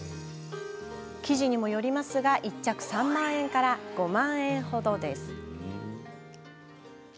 生地にもよりますが１着３万円から５万円程です。